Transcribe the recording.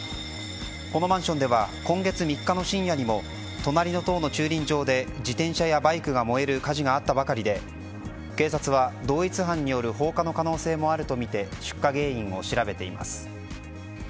このマンションでは今月３日の深夜にも隣の棟の駐輪場で自転車やバイクが燃える火事があったばかりで警察は同一犯による放火の可能性もあるとみて出火原因を調べています。